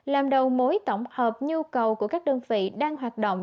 làm đầu mối tổng hợp nhu cầu của các đơn vị đang hoạt động